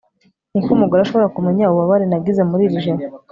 ni iki umugore ashobora kumenya ububabare nagize muri iri joro